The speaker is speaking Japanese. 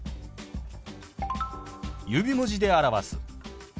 指文字で表す。